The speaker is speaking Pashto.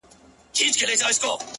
• یوځل وانه خیست له غوښو څخه خوند ,